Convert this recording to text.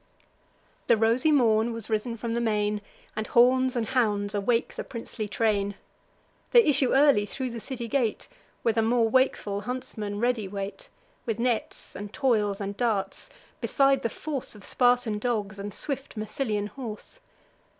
The rosy morn was risen from the main, And horns and hounds awake the princely train: They issue early thro' the city gate, Where the more wakeful huntsmen ready wait, With nets, and toils, and darts, beside the force Of Spartan dogs, and swift Massylian horse.